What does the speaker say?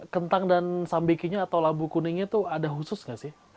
kentang dan sambikinya atau labu kuningnya tuh ada khusus nggak sih